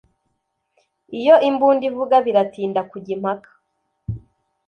Iyo imbunda ivuga biratinda kujya impaka